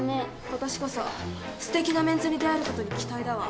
今年こそすてきなメンズに出会えることに期待だわ。